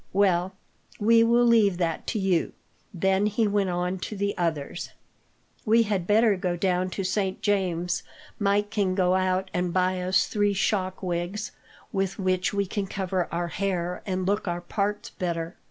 "Well, we will leave that to you." Then he went on to the others: "We had better go down to Saint James's. Mike can go out and buy us three shock wigs, with which we can cover our hair and look our parts better.